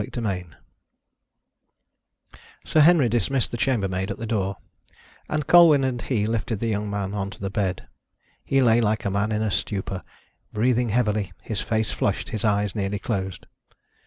CHAPTER II Sir Henry dismissed the chambermaid at the door, and Colwyn and he lifted the young man on to the bed. He lay like a man in a stupor, breathing heavily, his face flushed, his eyes nearly closed.